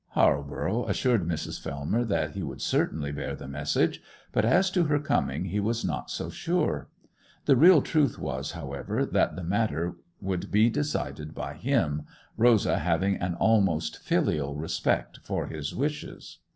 Halborough assured Mrs. Fellmer that he would certainly bear the message; but as to her coming he was not so sure. The real truth was, however, that the matter would be decided by him, Rosa having an almost filial respect for his wishes.